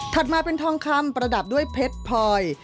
มาเป็นทองคำประดับด้วยเพชรพลอย